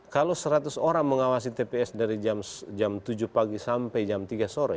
kalau seratus orang mengawasi tps dari jam tujuh pagi sampai jam tiga sore